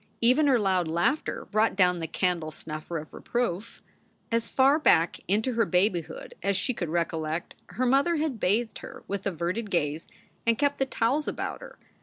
Even her loud laughter brought down the candle snuffer of reproof. As far back into her babyhood as she could recollect, her mother had bathed her with averted gaze and kept the towels about her.